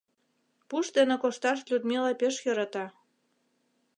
Пуш дене кошташ Людмила пеш йӧрата.